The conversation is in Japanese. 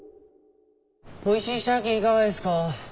おいしいシャケいかがですか。